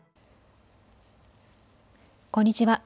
こんにちは。